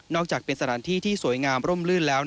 อกจากเป็นสถานที่ที่สวยงามร่มลื่นแล้ว